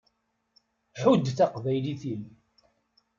Ḥudd taqbaylit-im.